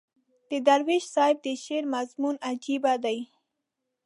د درویش صاحب د شعر مضمون عجیبه دی.